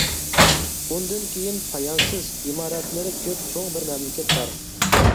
ئۇنىڭدىن كېيىن، پايانسىز، ئىمارەتلىرى كۆپ چوڭ بىر مەملىكەت بار.